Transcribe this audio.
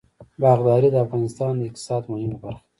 باغداري د افغانستان د اقتصاد مهمه برخه ده.